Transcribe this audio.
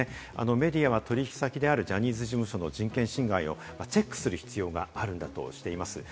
メディアは取引先であるジャニーズ事務所の人権侵害をチェックする必要があるんだとしています。